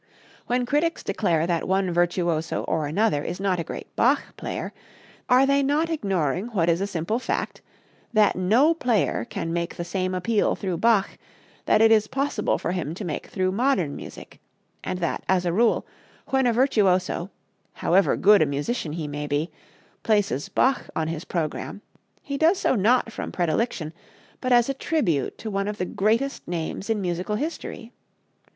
When critics declare that one virtuoso or another is not a great Bach player, are they not ignoring what is a simple fact that no player can make the same appeal through Bach that it is possible for him to make through modern music, and that, as a rule, when a virtuoso, however good a musician he may be, places Bach on his program, he does so not from predilection, but as a tribute to one of the greatest names in musical history?